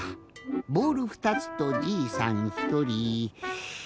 ボール２つとじいさんひとり。